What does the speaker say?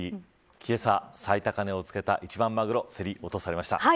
けさ最高値をつけた一番マグロ競り落とされました。